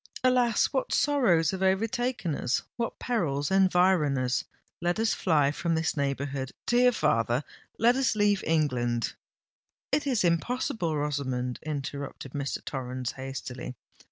Alas! what sorrows have overtaken us—what perils environ us! Let us fly from this neighbourhood, dear father—let us leave England——" "It is impossible, Rosamond!" interrupted Mr. Torrens hastily.